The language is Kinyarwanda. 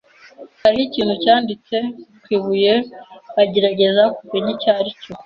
Hariho ikintu cyanditse ku ibuye, bagerageza kumenya icyo aricyo.